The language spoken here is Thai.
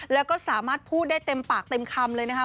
แล้วก็สามารถพูดได้เต็มปากเต็มคำเลยนะคะ